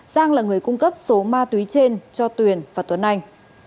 giang là người cung cấp số ma túy trên cho tuyền và tuấn anh